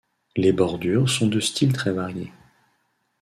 Les bordures sont de styles très variés.